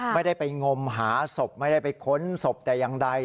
ไม่ได้ไปงมหาศพไม่ได้ไปค้นศพแต่อย่างใด